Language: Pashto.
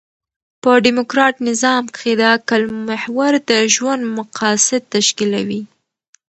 په ډيموکراټ نظام کښي د عقل محور د ژوند مقاصد تشکیلوي.